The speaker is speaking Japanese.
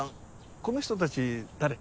この人たち誰？